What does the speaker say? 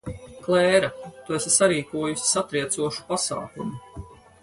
Klēra, tu esi sarīkojusi satriecošu pasākumu.